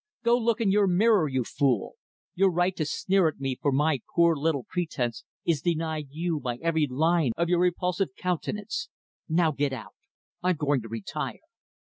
Go look in your mirror, you fool! Your right to sneer at me for my poor little pretense is denied you by every line of your repulsive countenance Now get out. I'm going to retire."